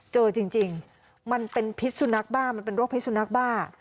เจอจริงมันเป็นพิษสุนัขบ้ามันเป็นโรคพิษสุนัขบ้า